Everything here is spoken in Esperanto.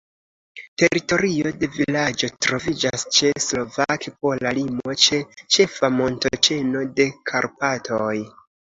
Teritorio de vilaĝo troviĝas ĉe slovak-pola limo, ĉe ĉefa montoĉeno de Karpatoj.